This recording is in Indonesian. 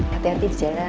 hati hati di jalan